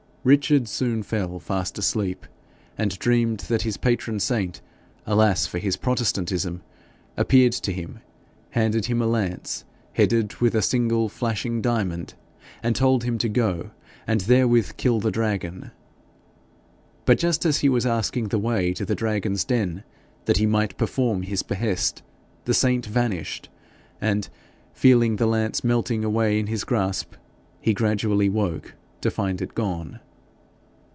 Richard soon fell fast asleep, and dreamed that his patron saint alas for his protestantism! appeared to him, handed him a lance headed with a single flashing diamond, and told him to go and therewith kill the dragon. But just as he was asking the way to the dragon's den, that he might perform his behest, the saint vanished, and feeling the lance melting away in his grasp, he gradually woke to find it gone.